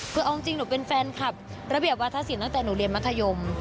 คือเอาจริงหนูเป็นแฟนคลับระเบียบวัฒนศิลปตั้งแต่หนูเรียนมัธยม